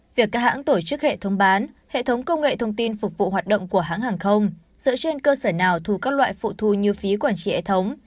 việc các hãng tổ chức hệ thống bán hệ thống công nghệ thông tin phục vụ hoạt động của hãng hàng không dựa trên cơ sở nào thu các loại phụ thu như phí quản trị hệ thống